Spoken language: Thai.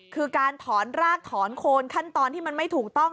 คือการถอนรากถอนโคนขั้นตอนที่มันไม่ถูกต้อง